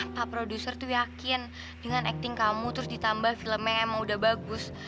pak produser tuh yakin dengan acting kamu terus ditambah filmnya emang udah bagus